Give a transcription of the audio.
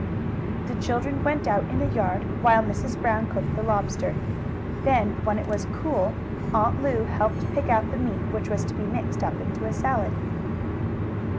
The children went out in the yard while Mrs. Brown cooked the lobster. Then, when it was cool, Aunt Lu helped pick out the meat which was to be mixed up into a salad.